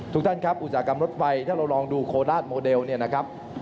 ทุกท่านครับอุตสาหกรรมรถไฟถ้าเราลองดูโคราชโมเดลเนี่ยนะครับ